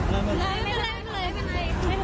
ไม่เป็นไรไม่เป็นไรไม่เป็นไร